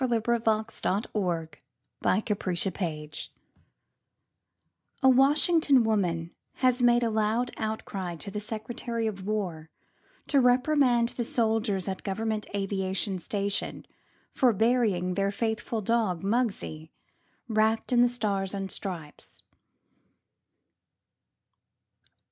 THE FLAG AND THE FAITHFUL (A Washington woman has made a loud outcry to the Secretary of War to reprimand the soldiers at the Government Aviation Station for burying their faithful dog, Muggsie, wrapped in the Stars and Stripes.)